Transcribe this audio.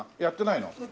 やってないの？